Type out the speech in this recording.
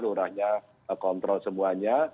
lurahnya kontrol semuanya